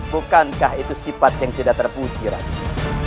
bukankah itu sifat yang tidak terpuji rakit